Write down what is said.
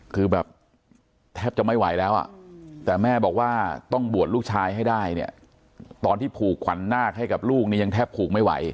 คือแบบแทบจะไม่ไหวแล้วอ่ะแต่แม่บอกว่าต้องบวชลูกชายให้ได้เนี่ยตอนที่ผูกขวัญนาคให้กับลูกนี่ยังแทบผูกไม่ไหว